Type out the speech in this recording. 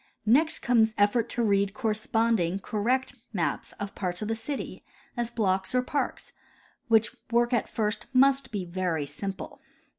Next comes effort to read corresponding, correct maps of parts of the city, as blocks or parks, which work at first must be very simple.